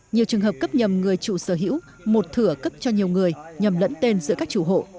nhiều trường hợp cấp nhầm người chủ sở hữu một thửa cấp cho nhiều người nhầm lẫn tên giữa các chủ hộ